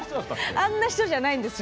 あんな人じゃないんですよ。